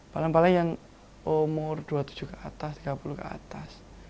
paling paling yang umur dua puluh tujuh ke atas tiga puluh ke atas